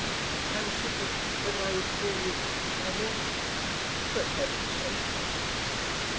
"I was thinking whether I would call you my Lord." "For heaven's sake do not."